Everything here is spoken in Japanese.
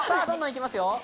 どんどん行きますよ。